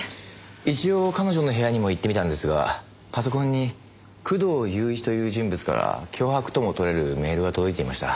一応彼女の部屋にも行ってみたんですがパソコンに工藤勇一という人物から脅迫ともとれるメールが届いていました。